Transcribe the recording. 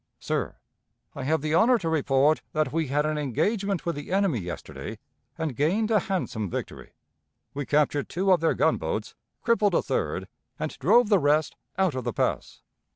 _ "SIR: I have the honor to report that we had an engagement with the enemy yesterday and gained a handsome victory. We captured two of their gunboats, crippled a third, and drove the rest out of the Pass.